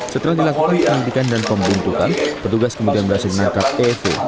setelah dilakukan penyelidikan dan pembentukan petugas kemudian berhasil menangkap evo